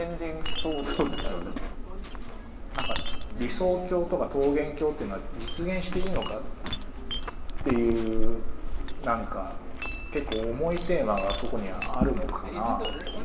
理想郷とか桃源郷っていうのは実現していいのかっていう何か結構重いテーマがそこにはあるのかなっていう。